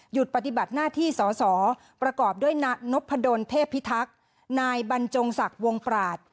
ปฏิบัติหน้าที่สอสอประกอบด้วยนพดลเทพิทักษ์นายบรรจงศักดิ์วงปราศ